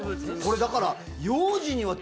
これだから。